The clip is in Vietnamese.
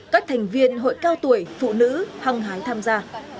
các thành viên hội cao tuổi phụ nữ hăng hái tham gia